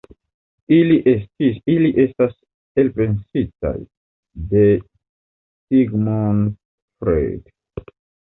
Ili estas elpensitaj de Sigmund Freud.